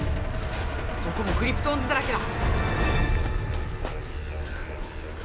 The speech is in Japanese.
どこもクリプトオンズだらけだ！